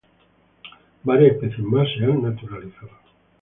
Varias especies más se han naturalizado.